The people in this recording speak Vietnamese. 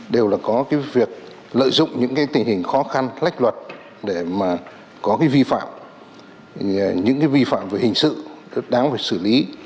đều là có cái việc lợi dụng những tình hình khó khăn lách luật để mà có cái vi phạm những vi phạm về hình sự rất đáng phải xử lý